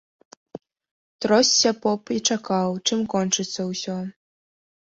Тросся поп і чакаў, чым кончыцца ўсё.